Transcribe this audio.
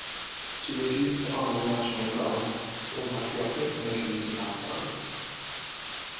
To refuse to honor the national gods was unpatriotic and akin to sabotage.